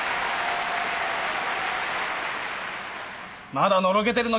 まだのろけてるの！？